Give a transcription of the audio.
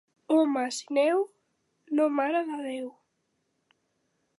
Homes i neu, no Mare de Déu.